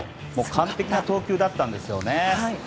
完璧な投球だったんですよね。